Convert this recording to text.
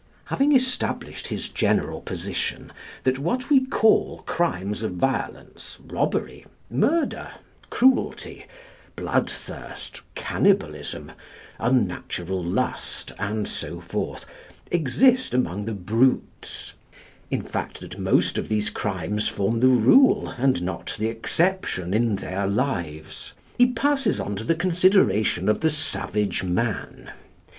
Having established his general position that what we call crimes of violence, robbery, murder, cruelty, blood thirst, cannibalism, unnatural lust, and so forth, exist among the brutes in fact, that most of these crimes form the rule and not the exception in their lives he passes on to the consideration of the savage man.